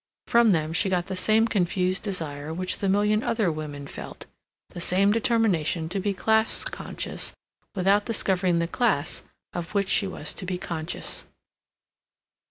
From them she got the same confused desire which the million other women felt; the same determination to be class conscious without discovering the class of which she was to be conscious.